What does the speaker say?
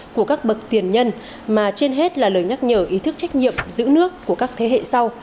của các bậc tiền nhân mà trên hết là lời nhắc nhở ý thức trách nhiệm giữ nước của các thế hệ sau